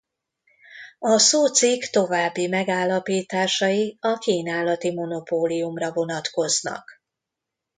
A szócikk további megállapításai a kínálati monopóliumra vonatkoznak.